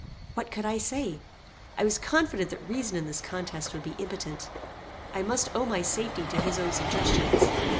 What could I say? I was confident that reason in this contest would be impotent. I must owe my safety to his own suggestions.